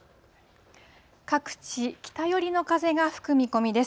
各地、北寄りの風が吹く見込みです。